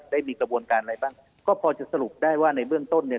ได้มีกระบวนการอะไรบ้างก็พอจะสรุปได้ว่าในเบื้องต้นเนี่ย